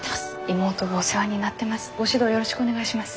妹がお世話になってます。